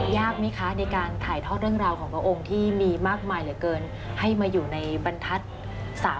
ยากไหมคะในการถ่ายทอดเรื่องราวของพระองค์ที่มีมากมายเหลือเกินให้มาอยู่ในบรรทัศน์